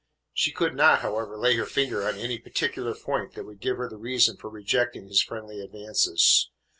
She could not, however, lay her finger on any particular point that would give her the reason for rejecting his friendly advances.